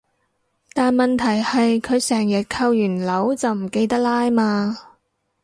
但問題係佢成日扣完鈕就唔記得拉嘛